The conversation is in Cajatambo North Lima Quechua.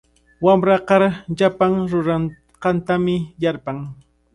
Wamra kar llapan ruranqantami yarpan.